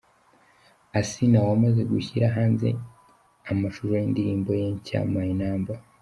Asinah wamaze gushyira hanze amashusho y'indirimbo ye nshya 'my number'.